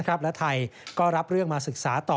และไทยก็รับเรื่องมาศึกษาต่อ